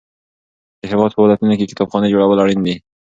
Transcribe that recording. د هیواد په ولایتونو کې کتابخانو جوړول اړین دي.